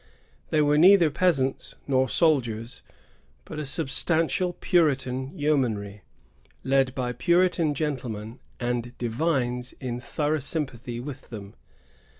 They were neither peasants nor soldiers, but a substantial Puritan yeomanry, led by Puritan gentlemen and divines in thorough sym pathy with them.